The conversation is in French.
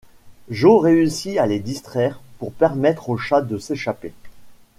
Joe réussit à les distraire pour permettre au chat de s'échapper.